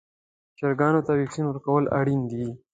چرګانو ته واکسین ورکول اړین دي.